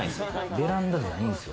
ベランダじゃないんですよ。